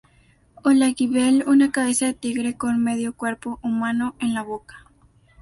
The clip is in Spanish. Olaguíbel: Una cabeza de tigre con medio cuerpo humano en la boca.